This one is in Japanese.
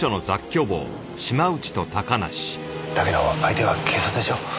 だけど相手は警察でしょ？